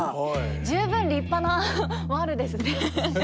十分立派なワルですね。